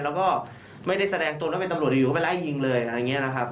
แล้วก็ไม่ได้แสดงตัวแล้วเป็นตำรวจอยู่ก็ไปไล่ยิงเลยอะไรอย่างนี้นะครับ